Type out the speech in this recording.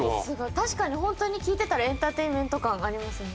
確かにホントに聞いてたらエンターテインメント感ありますね。